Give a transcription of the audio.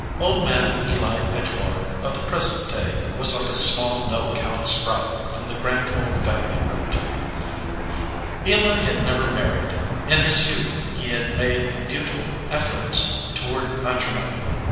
Old Man Eli Edgewater of the present day was like a small no account sprout from the grand old family root. Eli had never married. In his youth he had made futile efforts toward matrimony.